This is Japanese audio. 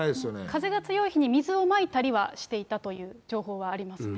風が強い日に水をまいたりはしていたという情報はありますね。